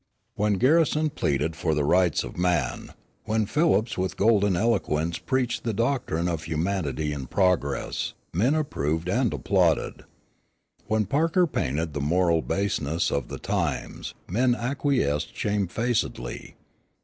When Garrison pleaded for the rights of man, when Phillips with golden eloquence preached the doctrine of humanity and progress, men approved and applauded. When Parker painted the moral baseness of the times, men acquiesced shamefacedly.